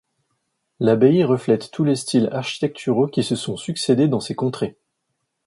L’abbaye reflète tous les styles architecturaux qui se sont succédé dans ces contrées.